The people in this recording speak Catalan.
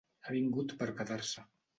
Ha vingut per quedar-se.